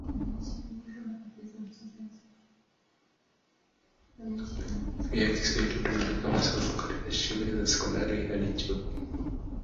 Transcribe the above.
Pia Kiswahili hutumika kama somo katika shule za sekondari hadi chuo kikuu.